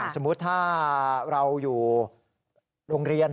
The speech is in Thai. สมมุติถ้าเราอยู่โรงเรียน